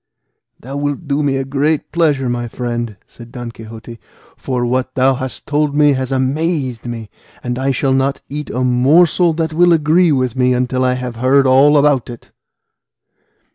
"Thou wilt do me a great pleasure, my friend," said Don Quixote, "for what thou hast told me has amazed me, and I shall not eat a morsel that will agree with me until I have heard all about it."